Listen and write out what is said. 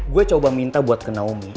gue coba minta buat ke naomi